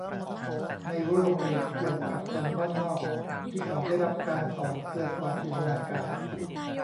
ในรั้วโรงเรียนเกี่ยวกับคนบ้านนอกที่เขาได้รับการสอนเกินกว่าจินตนาการ